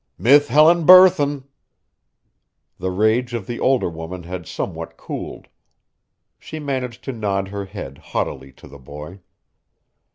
"Mith Helen Burthon." The rage of the older woman had somewhat cooled. She managed to nod her head haughtily to the boy.